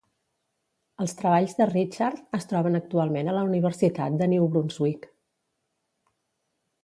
Els treballs de Richard es troben actualment a la Universitat de New Brunswick.